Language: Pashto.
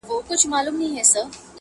ته هم چا یې پر نزله باندي وهلی؟-